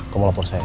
kamu mau lepor saya